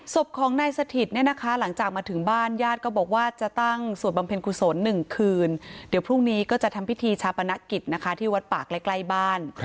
ศพของนายสถิตเนี่ยนะคะหลังจากมาถึงบ้านญาติก็บอกว่าจะตั้งสวดบำเพ็ญกุศล๑คืนเดี๋ยวพรุ่งนี้ก็จะทำพิธีชาปนกิจนะคะที่วัดปากใกล้บ้าน